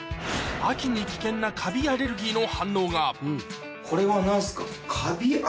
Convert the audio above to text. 秋に危険なカビアレルギーの反応がこれは何ですか？